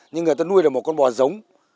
nhưng người ta nuôi được một con bò giống